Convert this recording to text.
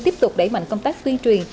tiếp tục đẩy mạnh công tác tuyên truyền